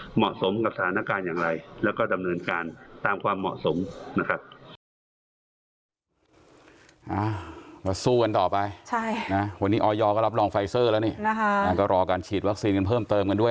เหมาะสมกับสถานการณ์อย่างไรแล้วก็ดำเนินการตามความเหมาะสมนะครับ